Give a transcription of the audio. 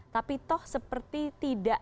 tapi toh seperti tidak